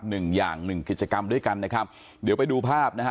หนึ่งอย่างหนึ่งกิจกรรมด้วยกันนะครับเดี๋ยวไปดูภาพนะฮะ